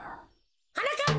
はなかっぱ！